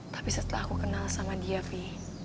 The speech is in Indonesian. tapi setelah aku kenal sama dia pi